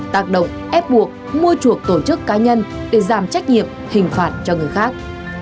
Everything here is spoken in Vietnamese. tác động ép buộc mua chuộc tổ chức cá nhân để giảm trách nhiệm hình phạt cho người khác